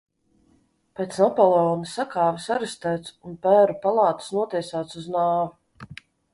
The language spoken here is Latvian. Pēc Napoleona sakāves arestēts un pēru palātas notiesāts uz nāvi.